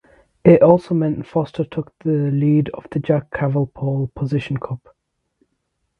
It also meant Foster took the lead of the Jack Cavill Pole Position Cup.